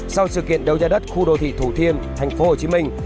sau sự kiện đấu giá đất khu đô thị thủ thiêm thành phố hồ chí minh